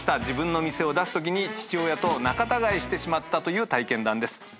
自分の店を出すときに父親と仲たがいしてしまったという体験談です。